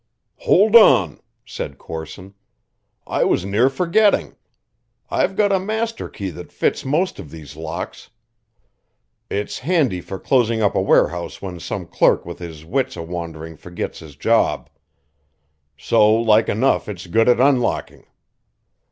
"Hould on," said Corson, "I was near forgetting. I've got a master key that fits most of these locks. It's handy for closing up a warehouse when some clerk with his wits a wandering forgits his job. So like enough it's good at unlocking."